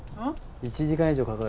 １時間以上かかる。